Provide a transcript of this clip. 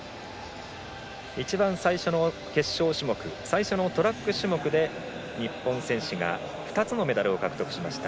一番最初の決勝種目最初のトラック種目で日本選手が２つのメダルを獲得しました。